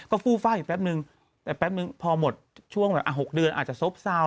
ก็ฟูฟ่าอยู่แป๊บนึงแต่แป๊บนึงพอหมดช่วงแบบ๖เดือนอาจจะซบเซา